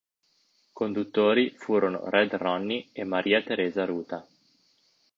Conduttori furono Red Ronnie e Maria Teresa Ruta.